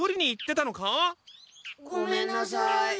ごめんなさい。